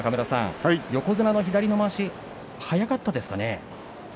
横綱の左のまわし早かったですかね。